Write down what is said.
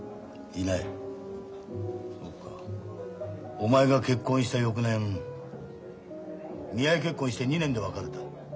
お前が結婚した翌年見合い結婚して２年で別れた。